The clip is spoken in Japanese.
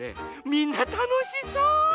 みんなたのしそう！